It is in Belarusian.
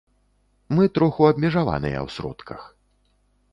Мы троху абмежаваныя ў сродках.